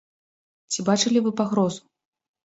Ці бачылі вы пагрозу?